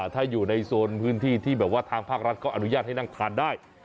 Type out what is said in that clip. ถ้าอยู่ในโซนพื้นที่ที่แบบว่าทางภาครัฐก็อนุญาตให้นั่งทานได้